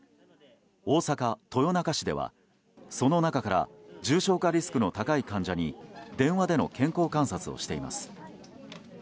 大阪・豊中市では、その中から重症化リスクの高い患者に電話での健康観察をしています。